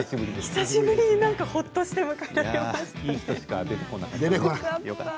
久しぶりに、ほっとして迎えられました。